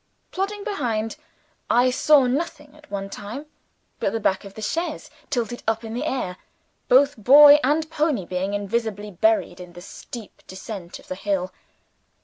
Plodding behind, I saw nothing, at one time, but the back of the chaise, tilted up in the air, both boy and pony being invisibly buried in the steep descent of the hill.